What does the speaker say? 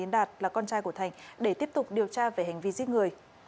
đạt là con trai của thành để tiếp tục điều tra về hành vi giết người